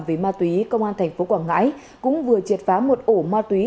về ma túy công an tp quảng ngãi cũng vừa triệt phá một ổ ma túy